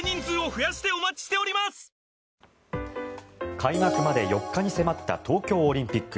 開幕まで４日に迫った東京オリンピック。